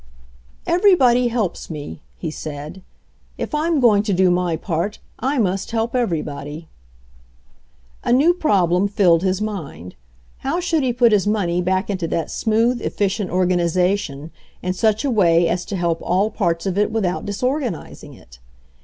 "Everybody helps me," he said. "If Fm going to do my part I must help everybody !" A new problem filled his mind. How should he put his money back into that smooth, efficient organization in such a way as to help all parts of it without disorganizing it?